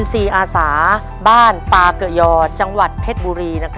ในแคมเปญพิเศษเกมต่อชีวิตโรงเรียนของหนู